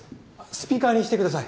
スピーカーにしてください